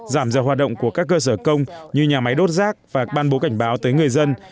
giảm giờ hoạt động của các cơ sở công như nhà máy đốt rác và ban bố cảnh báo tới người dân